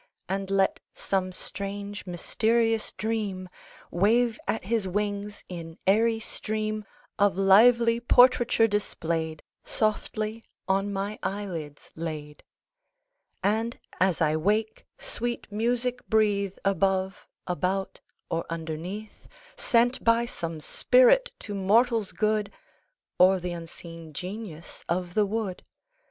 And let some strange mysterious dream Wave at his wings, in airy stream Of lively portraiture displayed, Softly on my eyelids laid; And, as I wake, sweet music breathe Above, about, or underneath, Sent by some Spirit to mortals good, Or the unseen Genius of the wood.